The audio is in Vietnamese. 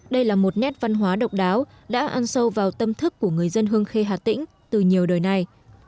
đây là một nét văn hóa độc đáo đã ăn sâu vào tâm thức của người dân hương khê hà tĩnh từ nhiều đời này